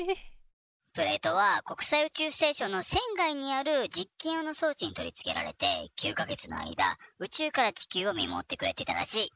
プレートは国際宇宙ステーションの船外にある実験用の装置に取り付けられて９か月の間、宇宙から地球を見守ってくれていたらしい。